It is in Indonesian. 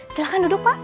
silahkan duduk pak